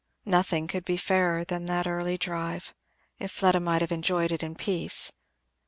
Nothing could be fairer than that early drive, if Fleda might have enjoyed it in peace.